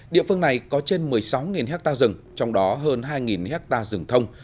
địa phương này có trên một mươi sáu ha rừng trong đó hơn hai hectare rừng thông